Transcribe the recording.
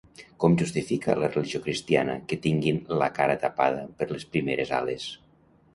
Com justifica la religió cristiana que tinguin la cara tapada per les primeres ales?